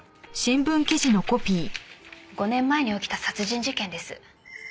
５年前に起きた殺人事件です。